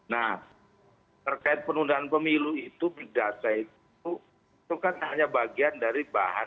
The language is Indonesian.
nah terkait penundaan pemilu itu big data itu kan hanya bagian dari bahan